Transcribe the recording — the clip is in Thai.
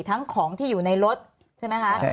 ของที่อยู่ในรถใช่ไหมคะ